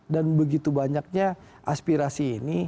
dan begitu banyaknya aspirasi ini